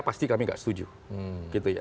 pasti kami nggak setuju